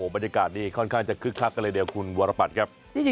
บรรยากาศนี้ค่อนข้างจะคึกคักกันเลยเดียวคุณวรปัตรครับ